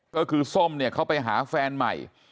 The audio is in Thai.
ก็คือส้มเนี่ยเขาไปหาแฟนใหม่